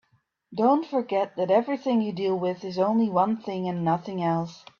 Don't forget that everything you deal with is only one thing and nothing else.